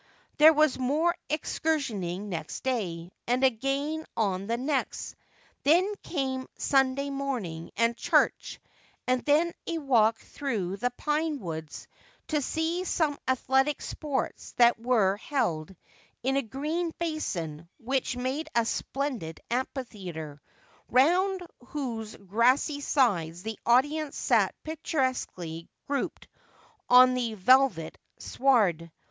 There was more excursionising next day, and again on the next ; then came Sunday morning and church, and then a walk through the pine woods to see some athletic sports that were held in a green basin which made a splendid amphitheatre, round whose grassy sides the audience sat picturesquely grouped on the velvet sward.